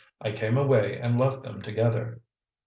"I came away and left them together."